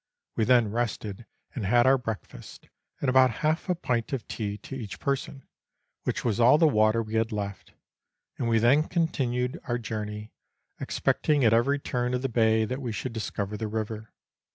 We then rested and had our breakfast and about half a pint of tea to each person, which was all the water we had left, and we then continued our journey, expecting at every turn of the bay that we should discover the river.